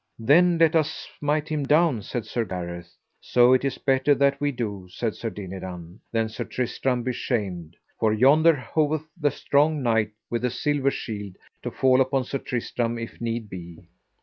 Then let us smite him down, said Sir Gareth. So it is better that we do, said Sir Dinadan, than Sir Tristram be shamed, for yonder hoveth the strong knight with the silver shield to fall upon Sir Tristram if need be.